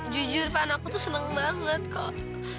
jujur pan aku tuh senang banget kok